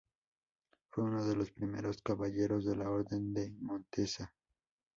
Fue uno de los primeros caballeros de la Orden de Montesa.